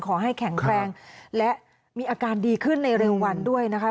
ขอให้แข็งแรงและมีอาการดีขึ้นในเร็ววันด้วยนะคะ